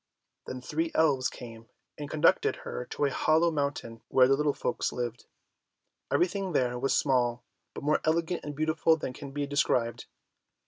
Then three elves came and conducted her to a hollow mountain, where the little folks lived. Everything there was small, but more elegant and beautiful than can be described.